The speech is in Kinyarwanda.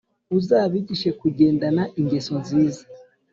Uzabigishe kugendana ingeso nziza